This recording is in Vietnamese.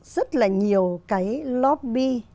rất là nhiều cái lobby